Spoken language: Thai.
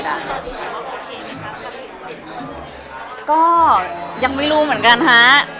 คุณก็ยังไม่รู้เหมือนกันค่ะ